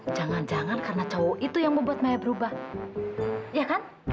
jangan jangan karena cowok itu yang membuat maya berubah ya kan ayo ngaku enggak bukan